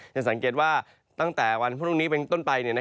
จะสังเกตว่าตั้งแต่วันพรุ่งนี้เป็นต้นไป